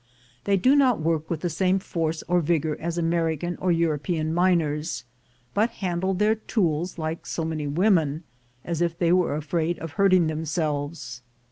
They do not work with the same force or vigor as American or European miners, but handle their tools like so many women, as if they were afraid of hurt ing themselves.